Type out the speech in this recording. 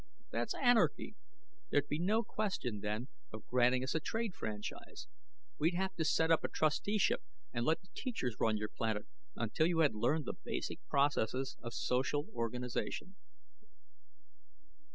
"That's anarchy. There'd be no question, then, of granting us a trade franchise; we'd have to set up a trusteeship and let the teachers run your planet until you had learned the basic processes of social organization."